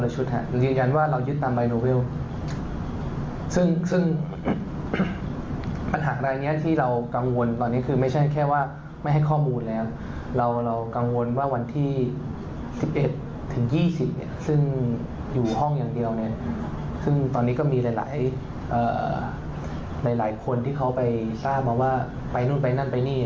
ซึ่งอยู่ห้องอย่างเดียวเนี่ยซึ่งตอนนี้ก็มีหลายคนที่เขาไปทราบว่าไปนู่นไปนั่นไปนี่